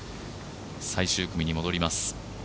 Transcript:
最終組に戻ります。